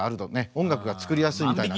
音楽が作りやすいみたいなんです。